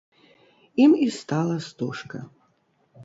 Ім і стала стужка.